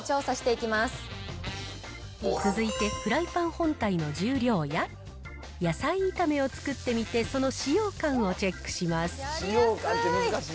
続いては、続いて、フライパン本体の重量や、野菜炒めを作ってみてその使用感をチェックします。